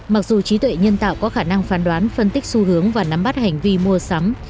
mặc dù trí tuệ nhân tạo có khả năng phán đoán phân tích xu hướng và nắm bắt hành vi mua sắm